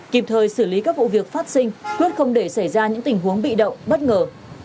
kịp thời xử lý các vụ việc phát sinh quyết không để xảy ra những tình huống bị động bất ngờ